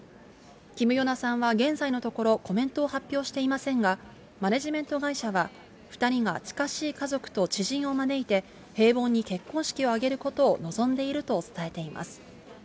キム・ヨナさんは現在のところ、コメントを発表していませんが、マネジメント会社は、２人が近しい家族と知人を招いて、平凡に結婚式を挙げることを望んでいると伝えています。